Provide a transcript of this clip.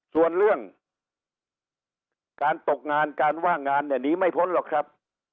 ส่วนเรื่องการตกงานการว่างงานเนี่ยหนีไม่พ้นหรอกครับ